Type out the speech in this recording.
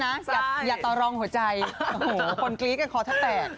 น่ารักสไตล์การยิ้มเหมือนไหม